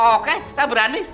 oke kita berani